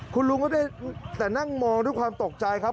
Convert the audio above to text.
คุณลุงก็ได้แต่นั่งมองด้วยความตกใจครับ